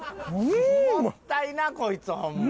もったいなこいつホンマ。